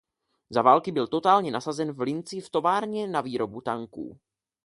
Za války byl totálně nasazen v Linci v továrně na výrobu tanků.